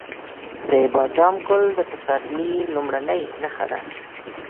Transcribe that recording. د بادام ګل د پسرلي لومړنی نښه ده.